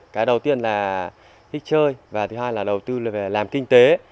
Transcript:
cái đầu tiên là thích chơi và thứ hai là đầu tư làm kinh tế